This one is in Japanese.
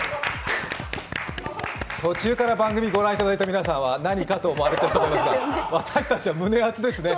途中から番組ご覧いただいた皆さんは何かと思われるかもしれませんが私たちは胸アツですね。